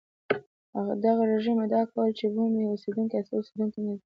دغه رژیم ادعا کوله چې بومي اوسېدونکي اصلي اوسېدونکي نه دي.